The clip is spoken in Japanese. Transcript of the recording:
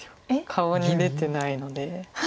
顔に出てないので。